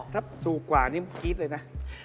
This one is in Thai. ถูกกว่านี่กรี๊บเลยนะ